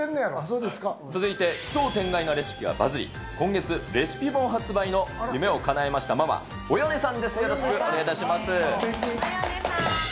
続いて奇想天外なレシピがバズり、今月、レシピ本発売の夢をかなえました、ママ、およねさん